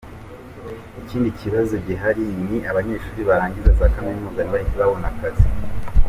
Ikindi kibazo gihari ni abanyeshuri barangiza za Kaminuza ntibahite babona akazi.